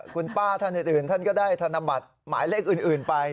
คุณป้าท่านอื่นท่านก็ได้ธนบัตรหมายเลขอื่นไป